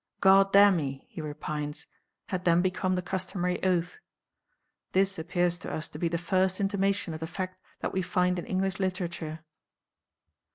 "Goddamn me," he repines, had then become the customary oath. This appears to us to be the first intimation of the fact that we find in English literature.